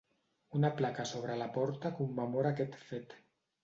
Una placa sobre la porta commemora aquest fet.